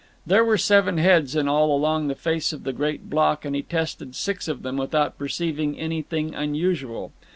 There were seven heads in all along the face of the great block, and he tested six of them without perceiving anything unusual.